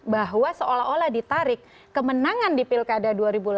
bahwa seolah olah ditarik kemenangan di pilkada dua ribu delapan belas